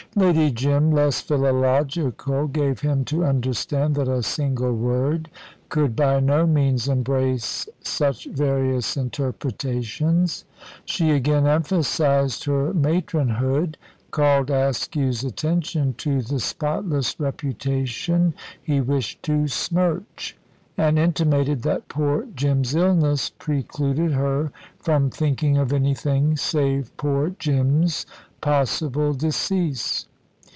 Lady Jim, less philological, gave him to understand, that a single word could by no means embrace such various interpretations. She again emphasised her matronhood, called Askew's attention to the spotless reputation he wished to smirch, and intimated that poor Jim's illness precluded her from thinking of anything save poor Jim's possible decease.